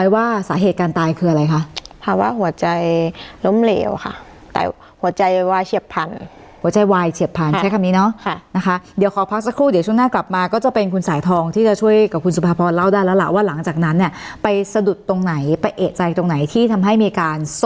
ว่าสาเหตุการตายคืออะไรคะภาวะหัวใจล้มเหลวค่ะแต่หัวใจวายเฉียบผ่านหัวใจวายเฉียบผ่านใช้คำนี้เนาะนะคะเดี๋ยวขอพักสักครู่เดี๋ยวช่วงหน้ากลับมาก็จะเป็นคุณสายทองที่จะช่วยกับคุณสุภาพรเล่าได้แล้วล่ะว่าหลังจากนั้นเนี่ยไปสะดุดตรงไหนไปเอกใจตรงไหนที่ทำให้มีการส